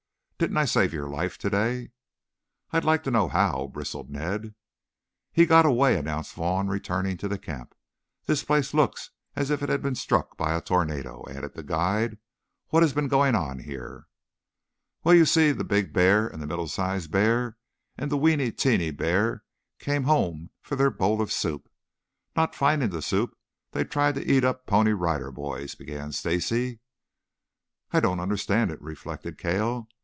Didn't I save your life today?" "I'd like to know how," bristled Ned. "He got away," announced Vaughn, returning to camp. "This place looks as if it had been struck by a tornado," added the guide. "What has been going on here?" "Well, you see the big bear and the middle sized bear and the weeny teeny bear came home for their bowl of soup. Not finding the soup they tried to eat up Pony Rider Boys," began Stacy. "I don't understand it," reflected Cale.